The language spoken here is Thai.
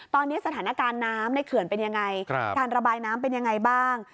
ตอนนี้สถานการณ์น้ำในเขื่อนเป็นยังไงการระบายน้ำเป็นยังไงบ้าง